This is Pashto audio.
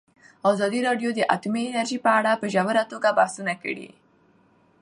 ازادي راډیو د اټومي انرژي په اړه په ژوره توګه بحثونه کړي.